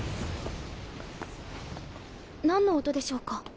何の音でしょうか？